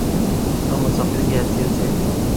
تو مسافر کی حیثیت سے۔